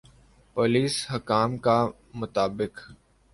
police حکام کا مطابق